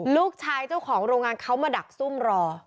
เจ้าของโรงงานเขามาดักซุ่มรอ